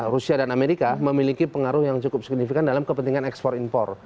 rusia dan amerika memiliki pengaruh yang cukup signifikan dalam kepentingan ekspor impor